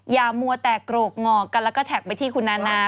มัวแตกโกรกงอกกันแล้วก็แท็กไปที่คุณนานา